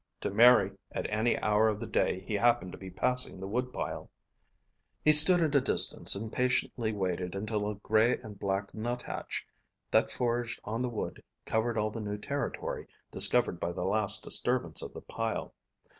to Mary at any hour of the day he happened to be passing the wood pile. He stood at a distance, and patiently waited until a gray and black nut hatch that foraged on the wood covered all the new territory discovered by the last disturbance of the pile.